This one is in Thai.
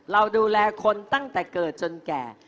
เราดูแลคนตั้งแต่เกิดจนแก่